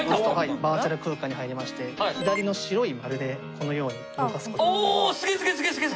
バーチャル空間に入りまして左の白い丸でこのように動かす事ができます。